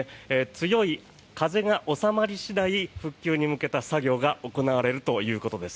強い風が収まり次第復旧に向けた作業が行われるということです。